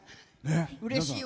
うれしいわ。